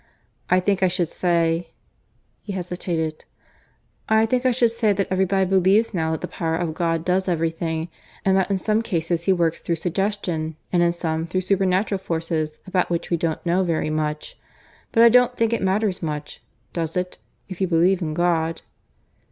"I think I should say " (he hesitated) "I think I should say that everybody believes now that the power of God does everything; and that in some cases He works through suggestion, and in some through supernatural forces about which we don't know very much. But I don't think it matters much (does it?), if you believe in God."